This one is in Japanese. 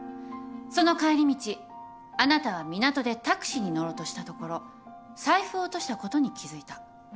その帰り道あなたは港でタクシーに乗ろうとしたところ財布を落としたことに気付いた。